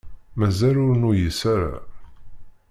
Mazal ur nuyis ara.